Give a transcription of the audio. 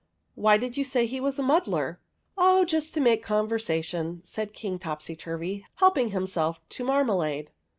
"Why did you say he was a muddler?" " Oh, just to make conversation," said King Topsyturvy, helping himself to marmalade.